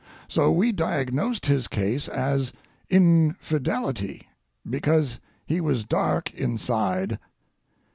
So we diagnosed his case as infidelity, because he was dark inside.